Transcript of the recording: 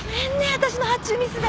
私の発注ミスで。